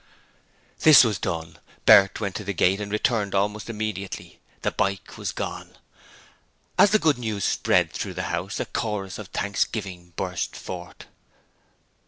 This was done. Bert went to the gate and returned almost immediately: the bike was gone. As the good news spread through the house a chorus of thanksgiving burst forth.